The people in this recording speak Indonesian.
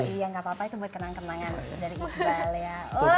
oh iya gapapa itu buat kenang kenangan dari iqbal ya